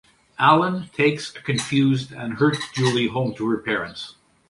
Alan takes a confused and hurt Julie home to her parents.